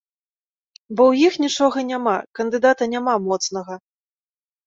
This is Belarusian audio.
Бо ў іх нічога няма, кандыдата няма моцнага.